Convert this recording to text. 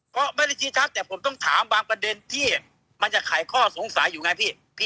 ก็ไม่ได้ชี้ชัดแต่ผมต้องถามบางประเด็นที่มันจะขายข้อสงสัยอยู่ไงพี่